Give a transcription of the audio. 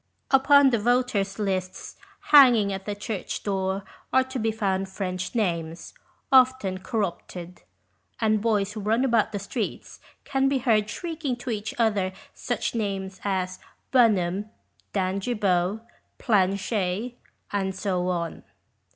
Upon the voters' lists hanging at the church door are to be found French names, often corrupted; and boys who run about the streets can be heard shrieking to each other such names as Bunnum, Dangibow, Planchey, and so on.